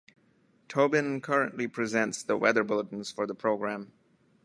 Tobin currently presents the weather bulletins for the programme.